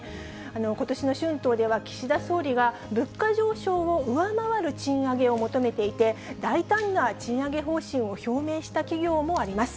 ことしの春闘では、岸田総理が物価上昇を上回る賃上げを求めていて、大胆な賃上げ方針を表明した企業もあります。